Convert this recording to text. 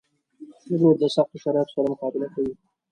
پیلوټ د سختو شرایطو سره مقابله کوي.